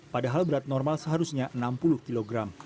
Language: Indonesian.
padahal berat normal seharusnya enam puluh kg